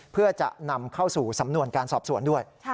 เพื่อจะนำเข้าสู่สำนวนการสอบสวนด้วย